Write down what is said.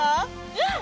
うん！